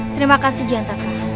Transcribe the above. terima kasih jantaka